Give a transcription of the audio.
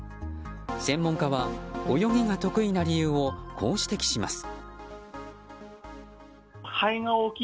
専門家は泳ぎが得意な理由をこう指摘します。